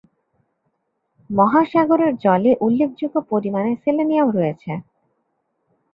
মহাসাগরের জলে উল্লেখযোগ্য পরিমাণে সেলেনিয়াম রয়েছে।